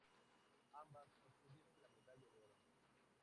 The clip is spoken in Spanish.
Ambas obtuvieron la medalla de oro.